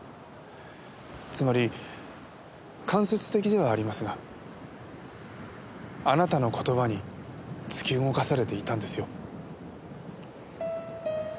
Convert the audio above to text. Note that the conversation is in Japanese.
つまり間接的ではありますがあなたの言葉に突き動かされていたんですよ。